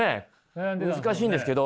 難しいんですけど。